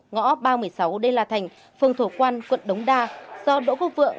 ngõ ba trăm một mươi sáu đê la thành phường thổ quan quận đống đa do đỗ quốc vượng